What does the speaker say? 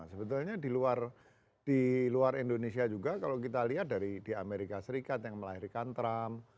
sebetulnya di luar indonesia juga kalau kita lihat dari di amerika serikat yang melahirkan trump